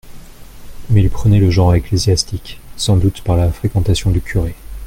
Mais il prenait le genre ecclésiastique, sans doute par la fréquentation du curé.